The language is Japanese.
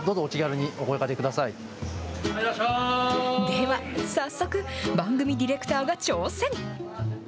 では、早速、番組ディレクターが挑戦。